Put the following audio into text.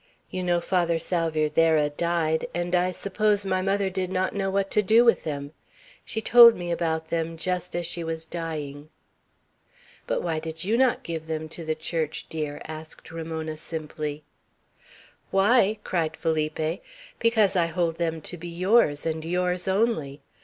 You know Father Salvierderra died; and I suppose my mother did not know what to do with them. She told me about them just as she was dying." "But why did you not give them to the Church, dear?" asked Ramona, simply. "Why?" cried Felipe. "Because I hold them to be yours, and yours only.